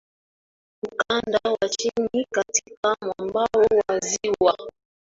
Ukanda wa chini katika mwambao wa ziwa